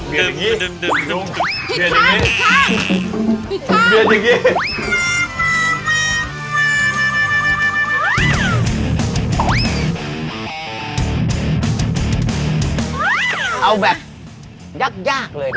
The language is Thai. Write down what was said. เอาแบบยักยากเลยดีกว่า